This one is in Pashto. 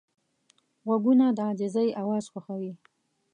غوږونه د عاجزۍ اواز خوښوي